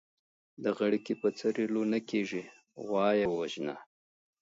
د غړکي په څيرلو نه کېږي ، غوا يې ووژنه.